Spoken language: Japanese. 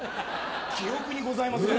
記憶にございません。